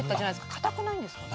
かたくないんですか？